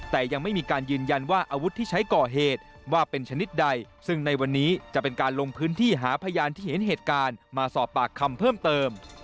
แต่ยังไม่มีการยืนยันว่าอาวุธที่ใช้ก่อเหตุว่าเป็นชนิดใดซึ่งในวันนี้จะเป็นการลงพื้นที่หาพยานที่เห็นเหตุการณ์มาสอบปากคำเพิ่มเติม